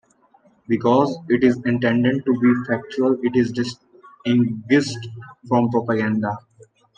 Because it is intended to be factual, it is distinguished from propaganda.